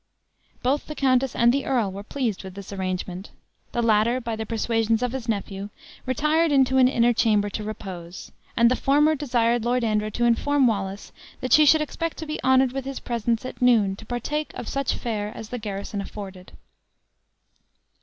Both the countess and the earl were pleased with this arrangement. The latter, by the persuasions of his nephew, retired into an inner chamber to repose; and the former desired Lord Andrew to inform Wallace that she should expect to be honored with his presence at noon, to partake of such fare as the garrison afforded.